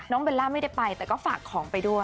เบลล่าไม่ได้ไปแต่ก็ฝากของไปด้วย